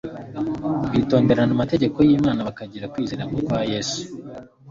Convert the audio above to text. bitondera amategeko y'imana bakagira kwizera nku kwa yesu